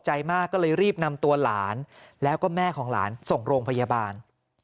ใจมากก็เลยรีบนำตัวหลานแล้วก็แม่ของหลานส่งโรงพยาบาล